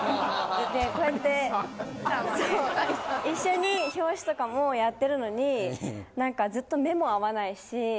でこうやってそう一緒に表紙とかもやってるのに何かずっと目も合わないし。